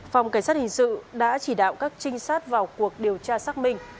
phòng cảnh sát hình sự đã chỉ đạo các trinh sát vào cuộc điều tra xác minh